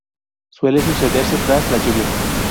Suele sucederse tras las lluvias.